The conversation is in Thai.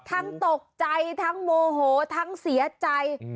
ตกใจทั้งโมโหทั้งเสียใจ